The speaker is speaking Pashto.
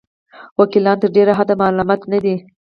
وکیلان تر ډېره حده ملامت نه دي.